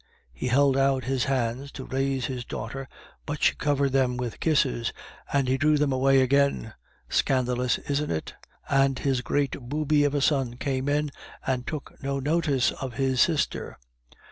He held out his hands to raise his daughter, but she covered them with kisses, and he drew them away again. Scandalous, isn't it? And his great booby of a son came in and took no notice of his sister."